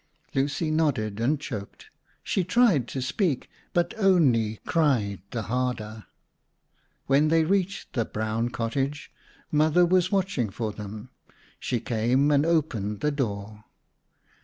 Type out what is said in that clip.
Lucy nodded and choked. She tried to speak but only cried the harder. When they reached the brown cottage, Mother was watching for them. She came and opened the door.